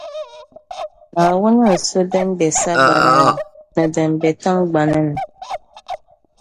Naawuni n-su din be sagbana ni, ni din be tiŋgbani ni.